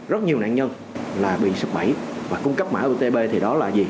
rất nhiều nạn nhân là bị sụp bẫy và cung cấp mã otp thì đó là gì